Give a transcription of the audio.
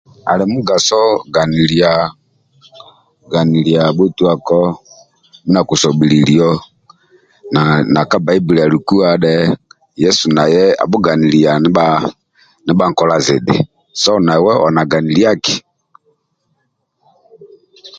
Ali mugaso ganyilia bhotuako ndia akusobhilia na ka Bbaibuli alikua dhe Yesu naye abhuganilia ndibha nkola zidhi